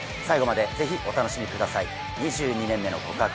最後までぜひお楽しみください。